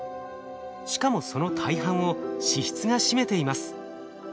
しかもその大半を脂質が占めています。